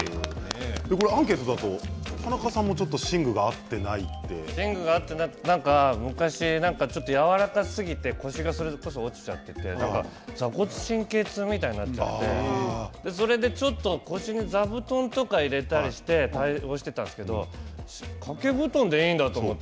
アンケートだと田中さんも昔ちょっとやわらかすぎて腰が落ちちゃっていて座骨神経痛みたいになっちゃってそれでちょっと腰に座布団とか入れたりして対応していたんですけれど掛け布団でいいんだと思って。